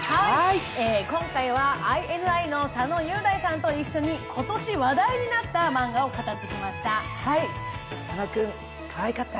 今回はＩＮＩの佐野雄大さんと一緒に今年話題になったマンガを語ってきました。